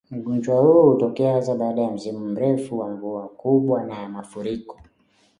Ugonjwa huu hutokea hasa baada ya msimu mrefu wa mvua kubwa na ya mafuriko